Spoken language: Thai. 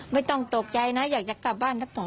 ไม่ต้องตกใจนะอยากจะกลับบ้านสักคน